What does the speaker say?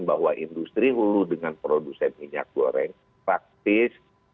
bahwa industri hulu dengan produsen minyak goreng praktis